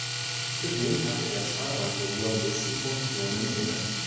Zudem hatte er zahlreiche Lobbyisten-Funktionen inne.